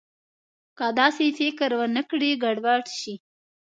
که داسې فکر ونه کړي، ګډوډ شي.